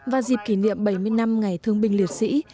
và dịp kỷ niệm bảy mươi năm ngày thương binh liệt sĩ